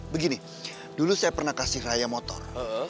begini dulu saya pernah kasih raya motor